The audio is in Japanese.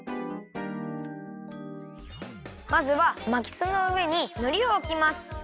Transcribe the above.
まずはまきすのうえにのりをおきます。